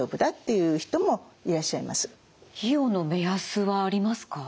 費用の目安はありますか？